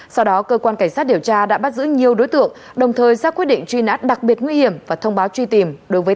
sau đó cơ quan cảnh sát điều tra đã bắt giữ nhiều đối tượng đồng thời ra quyết định truy nát đặc biệt nguy hiểm và thông báo truy tìm đối với tám đối tượng nêu trên